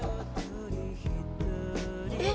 えっ！